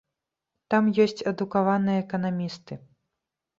Там ёсць адукаваныя эканамісты.